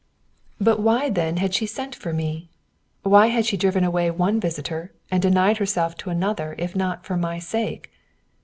But why, then, had she sent for me? Why had she driven away one visitor and denied herself to another if not for my sake?